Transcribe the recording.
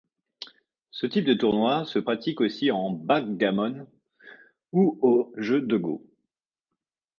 Ce type de tournoi se pratique aussi en backgammon ou au jeu de go.